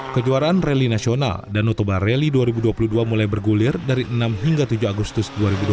kejuaraan rally nasional danau toba rally dua ribu dua puluh dua mulai bergulir dari enam hingga tujuh agustus dua ribu dua puluh